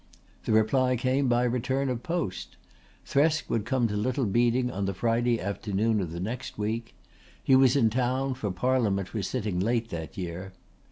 The reply came by return of post. Thresk would come to Little Beeding on the Friday afternoon of the next week. He was in town, for Parliament was sitting late that year.